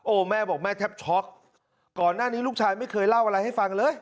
แม่บอกแม่แทบช็อกก่อนหน้านี้ลูกชายไม่เคยเล่าอะไรให้ฟังเลย